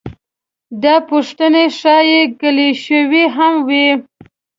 دا پوښتنې ښايي کلیشوي هم وي.